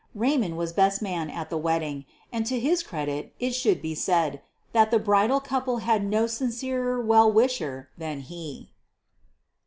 Raymond was best man at the wedding, and to his credit it should be said that the bridal couple had no sincerer well wisher than he.